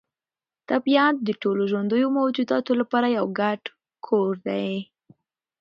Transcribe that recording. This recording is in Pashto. طبیعت د ټولو ژوندیو موجوداتو لپاره یو ګډ کور دی.